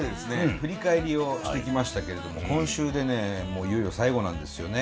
振り返りをしてきましたけれども今週でねもういよいよ最後なんですよね。